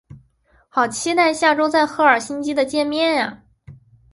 好期待下周在赫尔辛基的见面啊